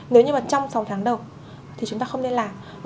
nếu như mà trong sáu tháng đầu thì chúng ta không nên làm